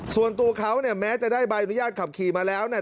ส่วนตัวเขาเนี่ยแม้จะได้ใบอนุญาตขับขี่มาแล้วเนี่ย